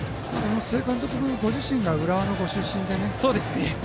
須江監督ご自身が浦和のご出身で。